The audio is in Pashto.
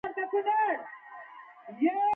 د انګور دانه غوړي د څه لپاره وکاروم؟